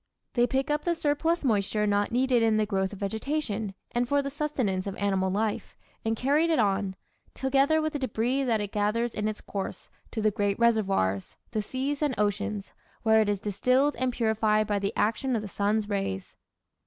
They pick up the surplus moisture not needed in the growth of vegetation and for the sustenance of animal life, and carry it on, together with the débris that it gathers in its course, to the great reservoirs, the seas and oceans, where it is redistilled and purified by the action of the sun's rays.